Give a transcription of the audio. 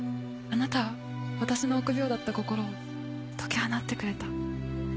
あなたは私の臆病だった心を解き放ってくれた。